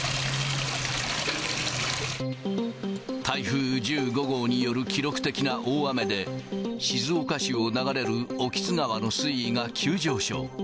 台風１５号による記録的な大雨で、静岡市を流れる興津川の水位が急上昇。